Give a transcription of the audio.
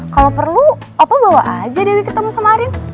kalo perlu opa bawa aja dewi ketemu sama arin